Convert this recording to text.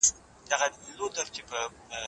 پښتو به په مصنوعي ځیرکتیا کې وده وکړي.